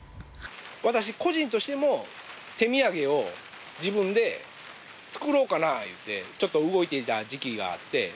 私個人としても手土産を自分で作ろうかないうてちょっと動いていた時期があって。